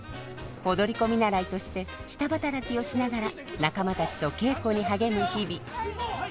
踊り子見習いとして下働きをしながら仲間たちと稽古に励む日々。